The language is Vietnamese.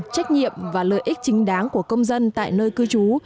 trách nhiệm và lợi ích chính đáng của công dân tại nơi cư trú